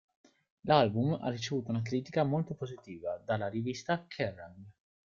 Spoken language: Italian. L'album ha ricevuto una critica molto positiva dalla rivista "Kerrang!